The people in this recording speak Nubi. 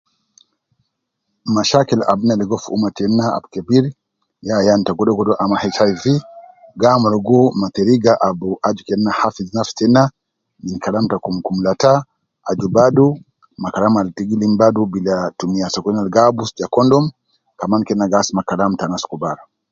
Mashakil ab na ligo fi umma tena, ab kebir, ya ayan te godo godo ama HIV ,gi amurugu me teriga abu aju kena hafidh nafsi tena min kalam ta kum kum lata, aju badu ma kalam al ta gi lim badu bila tumiya sokolin al gi abus je condom, kaman kena gi asuma kalam ta anas kubar